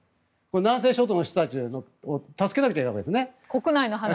南西諸島の人たちを助けなければいけないわけですね。